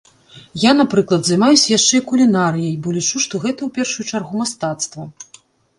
Я, напрыклад, займаюся яшчэ і кулінарыяй, бо лічу, што гэта, у першую чаргу, мастацтва.